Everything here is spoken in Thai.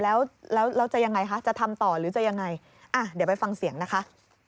แล้วแล้วจะยังไงคะจะทำต่อหรือจะยังไงอ่ะเดี๋ยวไปฟังเสียงนะคะ